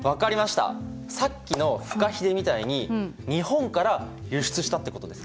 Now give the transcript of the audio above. さっきのフカヒレみたいに日本から輸出したってことですか？